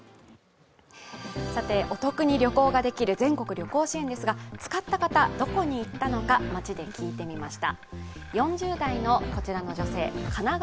お得に旅行ができる全国旅行支援ですが、使った方、どこに行ったのか街で聞いてみました。